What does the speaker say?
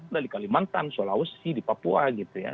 dari kalimantan sulawesi di papua gitu ya